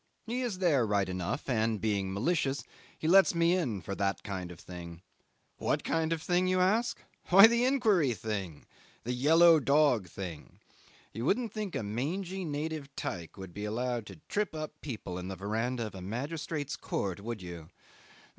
He is there right enough, and, being malicious, he lets me in for that kind of thing. What kind of thing, you ask? Why, the inquiry thing, the yellow dog thing you wouldn't think a mangy, native tyke would be allowed to trip up people in the verandah of a magistrate's court, would you?